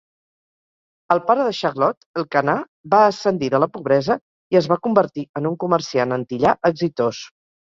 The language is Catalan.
El pare de Charlotte, Elkanah, va ascendir de la pobresa i es va convertir en un comerciant antillà exitós.